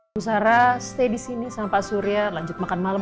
bu sara stay disini sama pak surya lanjut makan malam